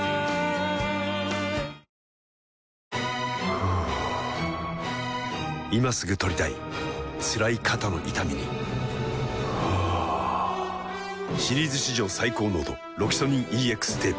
ふぅ今すぐ取りたいつらい肩の痛みにはぁシリーズ史上最高濃度「ロキソニンＥＸテープ」